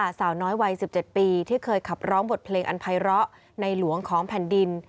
สาวน้อยวัย๑๗ปีที่เคยขับร้องบทเพลงอันภัยร้อในหลวงของแผ่นดิน